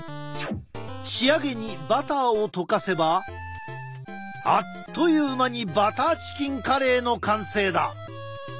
仕上げにバターを溶かせばあっという間にバターチキンカレーの完成だ！